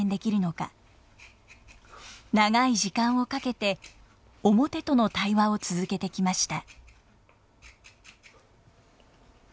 長い時間をかけて面との対話を続けてきました。